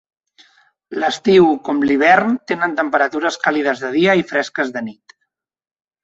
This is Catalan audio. L'estiu com l'hivern tenen temperatures càlides de dia i fresques de nit.